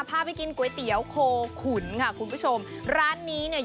พาไปกินก๋วยเตี๋ยวโคขุนค่ะคุณผู้ชมร้านนี้เนี่ย